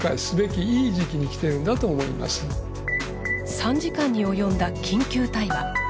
３時間に及んだ緊急対話。